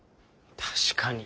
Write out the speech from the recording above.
確かに。